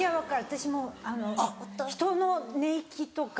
私も人の寝息とか。